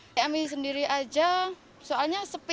saya sendiri saja soalnya sepi